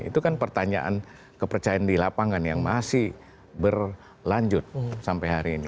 itu kan pertanyaan kepercayaan di lapangan yang masih berlanjut sampai hari ini